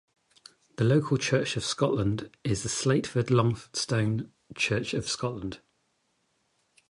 The local Church of Scotland is the Slateford Longstone Church of Scotland.